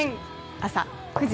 朝９時。